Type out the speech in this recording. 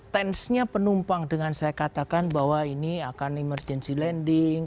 tensnya penumpang dengan saya katakan bahwa ini akan emergency landing